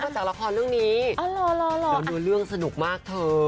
จากละครเรื่องนี้เดี๋ยวดูเรื่องสนุกมากเถอะ